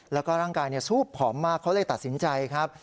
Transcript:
แล้วก็ร่างกายซูบผอมมากเขาเลยตัดสินใจครับ